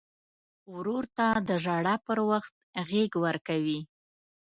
ورور ته د ژړا پر وخت غېږ ورکوي.